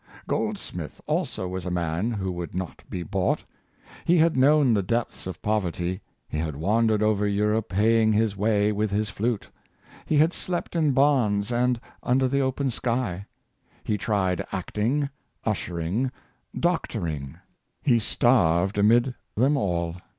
Gold smith also was a man who would not be bought. He had known the depths of poverty. He had wandered over Europe, paying his way with his flute. He had slept in barns and under the open sky. He tried act ing, ushering, doctoring. He starved amid them all.